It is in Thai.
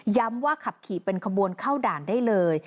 ว่าขับขี่เป็นขบวนเข้าด่านได้เลย